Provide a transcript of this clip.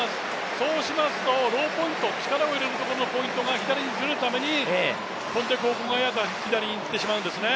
そうしますと、ローポイント、力を入れるところのポイントが左にずれるために飛んでいく方向が左にいってしまうんですね。